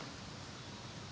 bapak wisno tama